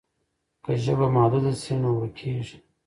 که ژبه محدوده شي نو ورکېږي.